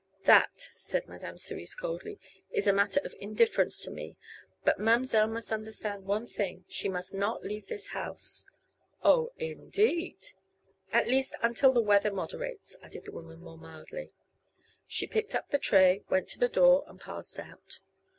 "That," said Madame Cerise, coldly, "is a matter of indifference to me. But ma'm'selle must understand one thing, she must not leave this house." "Oh, indeed!" "At least, until the weather moderates," added the woman, more mildly. She picked up the tray, went to the door and passed out.